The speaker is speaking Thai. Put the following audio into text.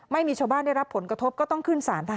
ไม่มีชาวบ้านได้รับผลกระทบก็ต้องขึ้นสารทหาร